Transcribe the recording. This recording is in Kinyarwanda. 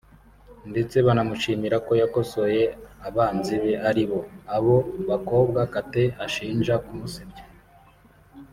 ndetse banamushimira ko yakosoye abanzi be aribo abo bakobwa Kate ashinja kumusebya